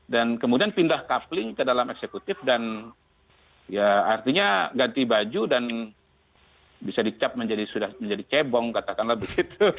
dan kemudian pindah coupling ke dalam eksekutif dan artinya ganti baju dan bisa dicap menjadi cebong katakanlah begitu